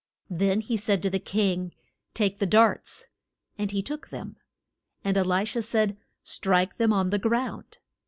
Then he said to the king, Take the darts. And he took them. And E li sha said, Strike them on the ground.